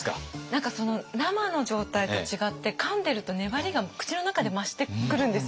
何か生の状態と違ってかんでると粘りが口の中で増してくるんですよね。